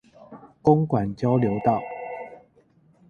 公館交流道